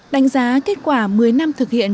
đánh giá kết quả một mươi năm thực hiện